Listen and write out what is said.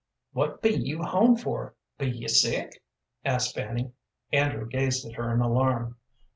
"What be you home for be you sick?" asked Fanny. Andrew gazed at her in alarm.